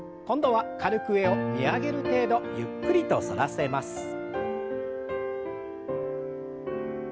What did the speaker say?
今度は軽く上を見上げる程度ゆっくりと反らせます。